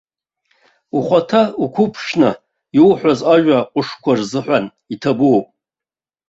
Ухаҭа уқәыԥшны, иуҳәаз ажәа ҟәышқәа рзыҳәан иҭабуп.